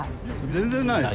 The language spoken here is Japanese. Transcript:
全然ないですよ。